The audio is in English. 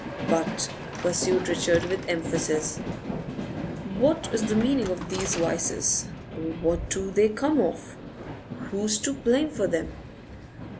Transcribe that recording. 'But,' pursued Richard with emphasis, 'what is the meaning of these vices? What do they come of? Who's to blame for them?